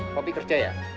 kopi kerja ya